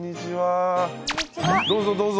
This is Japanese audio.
どうぞどうぞ。